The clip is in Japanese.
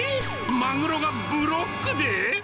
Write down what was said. マグロがブロックで？